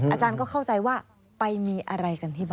อาจารย์ก็เข้าใจว่าไปมีอะไรกันที่บ้าน